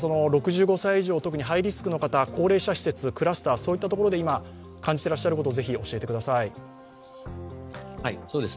６５歳以上、特にハイリスクの方、高齢者施設、クラスターそういったところで感じていらっしゃることを教えてください。